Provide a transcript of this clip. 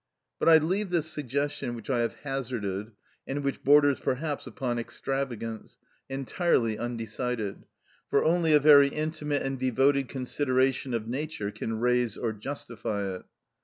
But I leave this suggestion which I have hazarded, and which borders perhaps upon extravagance, entirely undecided, for only a very intimate and devoted consideration of nature can raise or justify it.